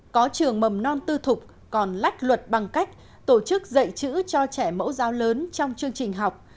có trường mầm non tư thục còn lách luật bằng cách tổ chức dạy chữ cho trẻ mẫu giáo lớn trong chương trình học